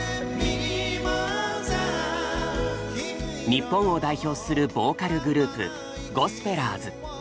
日本を代表するボーカルグループゴスペラーズ。